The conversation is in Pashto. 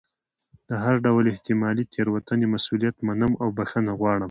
د هر ډول احتمالي تېروتنې مسؤلیت منم او بښنه غواړم.